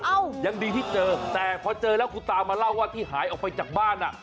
ยังดีที่เจอแต่พอเจอแล้วคุณตามาเล่าว่าที่หายออกไปจากบ้านอ่ะ